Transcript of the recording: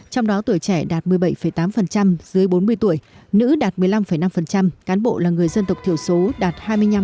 trong đó tuổi trẻ đạt một mươi bảy tám dưới bốn mươi tuổi nữ đạt một mươi năm năm cán bộ là người dân tộc thiểu số đạt hai mươi năm